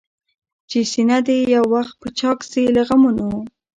چي سينه دي يو وخت چاك سي له غمونو؟